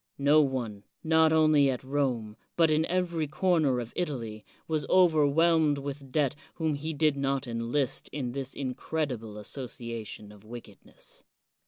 No one, not only at Rome, but in every comer of Italy, was overwhelmed with debt whom he did not enlist in this incredible association of wi(!ked« ness.